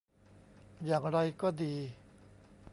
อย่างไรก็ดี